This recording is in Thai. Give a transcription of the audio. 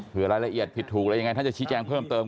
รายละเอียดผิดถูกอะไรยังไงท่านจะชี้แจงเพิ่มเติม